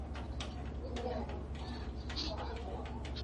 upande wa ndege wakati wa mvua huongezeka na kufikia zaidi ya aina mia tatu